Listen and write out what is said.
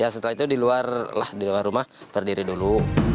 setelah itu diluar rumah berdiri dulu